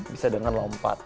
bisa dengan lompat